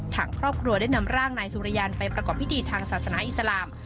ทางครอบครัวได้นำร่างนายสุริยันไปประกอบพิธีทางศาสนาอิสลาม